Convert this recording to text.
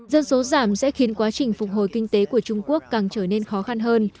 dân số giảm sẽ khiến quá trình phục hồi kinh tế của trung quốc càng trở nên khó khăn hơn